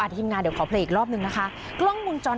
ทีมงานเดี๋ยวขอเพลงอีกรอบนึงนะคะ